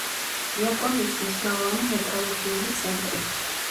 იაპონიის მნიშვნელოვანი მეტალურგიული ცენტრი.